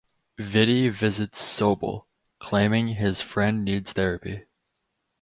Vitti visits Sobel, claiming his friend needs therapy.